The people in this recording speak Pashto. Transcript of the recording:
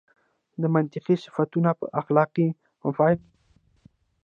دا منطقي صفتونه په اخلاقي مفاهیمو کې وي.